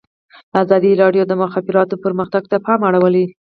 ازادي راډیو د د مخابراتو پرمختګ ته پام اړولی.